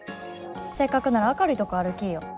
せっかくなら明るいとこ歩きいよ。